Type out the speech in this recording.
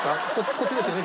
こっちですよね